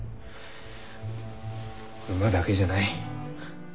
馬だけじゃない。